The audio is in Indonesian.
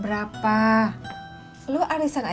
perahlah wood bar senior